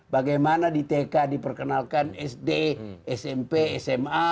bagaimana di tk diperkenalkan sd smp sma